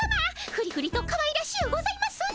フリフリとかわいらしゅうございますね。